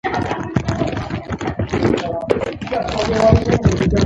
که ته د خپل ځان سره مینه ونه لرې.